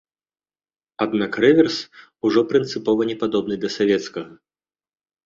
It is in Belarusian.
Аднак рэверс ужо прынцыпова не падобны да савецкага.